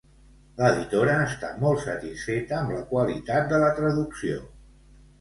L'editora està molt satisfeta amb la qualitat de la traducció.